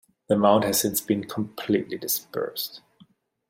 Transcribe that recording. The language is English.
The mound has since been completely dispersed.